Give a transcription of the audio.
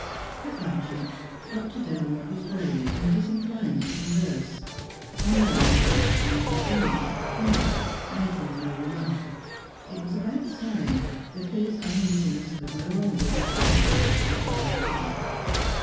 At luncheon, Dr. Derwent was grave and disinclined to converse. On learning where Irene had been, he nodded, making no remark. It was a bad sign that his uneasiness could no longer be combated with a dry joke.